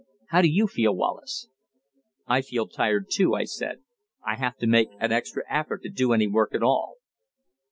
How do you feel, Wallace?" "I feel tired, too," I said. "I have to make an extra effort to do any work at all."